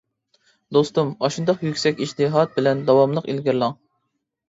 دوستۇم، ئاشۇنداق يۈكسەك ئىجتىھات بىلەن داۋاملىق ئىلگىرىلەڭ.